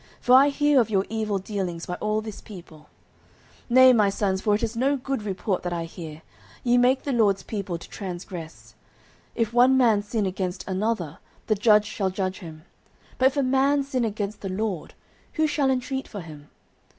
for I hear of your evil dealings by all this people. 09:002:024 Nay, my sons; for it is no good report that I hear: ye make the LORD's people to transgress. 09:002:025 If one man sin against another, the judge shall judge him: but if a man sin against the LORD, who shall intreat for him?